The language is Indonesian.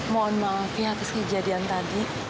mohon maaf ya atas kejadian tadi